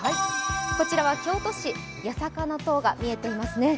こちらは京都市・八坂の塔が見えていますね。